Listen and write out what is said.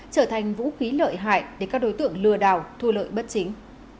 trở thành vũ khí lợi hại để các đối tượng lừa đào thua lợi bất chính